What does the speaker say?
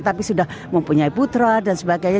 tapi sudah mempunyai putra dan sebagainya